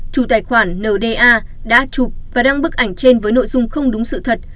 chủ tài khoản nda đã chụp và đăng bức ảnh trên với nội dung không đúng sự thật